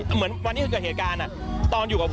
เหมือนวันที่เกิดเหตุการณ์ตอนอยู่กับผม